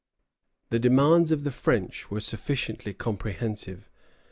The demands of the French were sufficiently comprehensive.